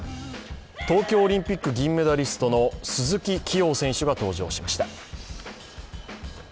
東京オリンピック銀メダリストの清水希容選手が登場しました。